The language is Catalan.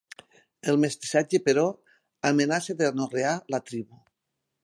El mestissatge, però, amenaça d'anorrear la tribu.